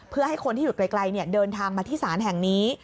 เพื่อให้คนที่อยู่ไกลเดินทางมาที่ศาลแห่งนี้